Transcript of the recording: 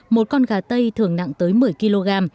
một con gà tây thường nặng tới một mươi kg